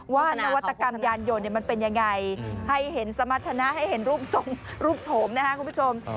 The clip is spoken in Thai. นวัตกรรมยานยนต์มันเป็นยังไงให้เห็นสมรรถนะให้เห็นรูปทรงรูปโฉมนะครับคุณผู้ชม